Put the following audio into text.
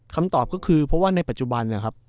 คำตอบก็คือเพราะว่าในปัจจุบันนะครับ